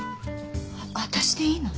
私でいいの？